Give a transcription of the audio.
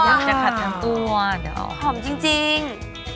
จะขัดทั้งตัวหอมจริง